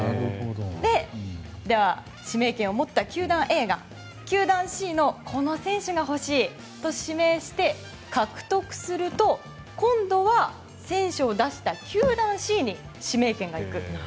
では、指名権を持った球団Ａが球団Ｃのこの選手が欲しいと指名して獲得すると今度は選手を出した球団Ｃに指名権が行くと。